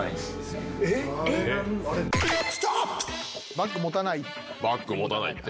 バッグ持たないって。